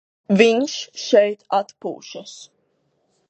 Viņš šeit atpūšas.